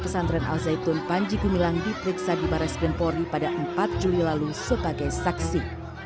pesantren al zaitun panji gumilang diperiksa di barres krimpori pada empat juli lalu sebagai saksi